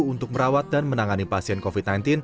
untuk merawat dan menangani pasien covid sembilan belas